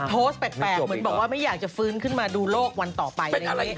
โพสต์แปลกบอกว่าไม่อยากจะฟื้นขึ้นมาดูโลกวันต่อไป